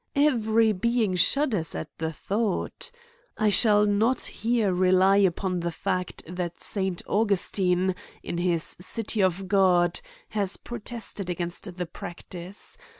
Every being shudders at the thought. I shall not here rely upon the fact that St. Augustine, in his City of God, has protested against the practice.